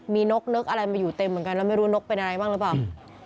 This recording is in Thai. มีนกนึกอะไรมาอยู่เต็มเหมือนกันแล้วไม่รู้นกเป็นอะไรบ้างหรือเปล่า